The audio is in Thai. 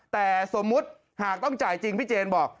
แต่สมมุติหากต้องจ่ายจริงพี่เจนบอก